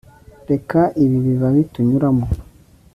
reka ibi bibabi tunyuramo